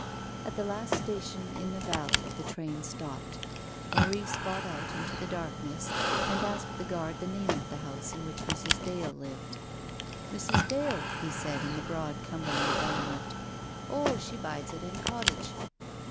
At the last station in the valley the train stopped. Maurice got out into the darkness, and asked the guard the name of the house in which Mrs. Dale lived. " Mrs. Dale," he said, in the broad Cumberland dialect, "Oh, she bides at End Cottage."